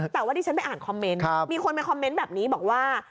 แต่ว่าที่ฉันไปอ่านคอมเมนต์มีคนไปคอมเมนต์แบบนี้บอกว่า